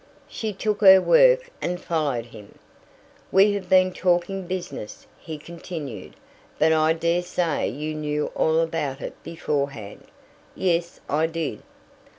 She took her work and followed him. "We have been talking business," he continued, "but I dare say you knew all about it beforehand." "Yes, I did."